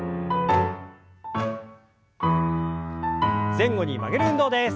前後に曲げる運動です。